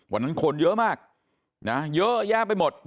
วันนั้นคนเยอะมากนะเยอะแยะไปหมด